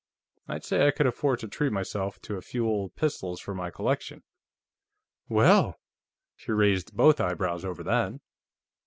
I'd say I could afford to treat myself to a few old pistols for my collection." "Well!" She raised both eyebrows over that.